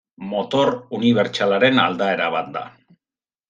Motor unibertsalaren aldaera bat da.